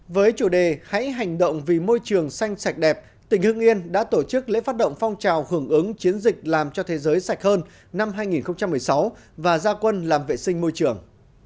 với chủ đề hãy hành động vì môi trường xanh sạch đẹp tỉnh hương yên đã tổ chức lễ phát động phong trào hưởng ứng chiến dịch làm cho thế giới sạch hơn năm hai nghìn một mươi sáu và gia quân làm vệ sinh môi trường